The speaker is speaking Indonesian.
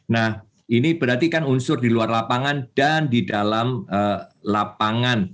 nah ini berarti kan unsur di luar lapangan dan di dalam lapangan